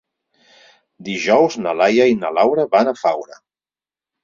Dijous na Laia i na Laura van a Faura.